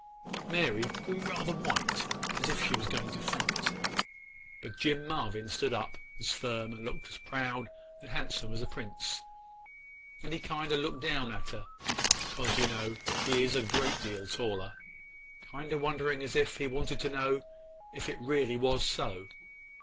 Mary grew rather white as if she was going to faint; but Jim Marvyn stood up just as firm and looked as proud and handsome as a prince, and he kind o' looked down at her, 'cause you know he is a great deal taller, kind o' wondering as if he wanted to know if it was really so.